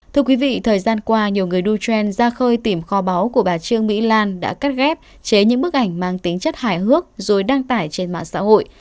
thưa quý vị thời gian qua nhiều người du trend ra khơi tìm kho báu của bà trương mỹ lan đã cắt ghép chế những bức ảnh mang tính chất hài hước rồi đăng tải trên mạng xã hội